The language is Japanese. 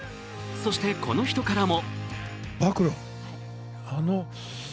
そして、この人からも。